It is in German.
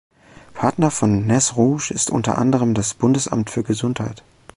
Partner von Nez Rouge ist unter anderem das Bundesamt für Gesundheit.